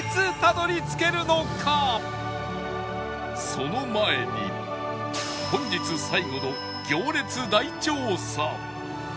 その前に本日最後の行列大調査